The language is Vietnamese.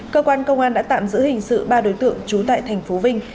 cơ quan công an đã tạm giữ hình sự ba đối tượng trú tại tp vinh